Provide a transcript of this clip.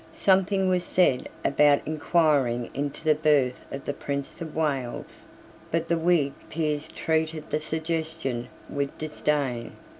Something was said about inquiring into the birth of the Prince of Wales: but the Whig peers treated the suggestion with disdain.